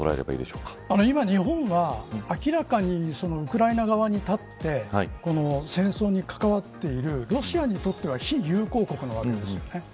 今、日本は明らかにウクライナ側に立って戦争に関わっているロシアにとっては非友好国なわけです。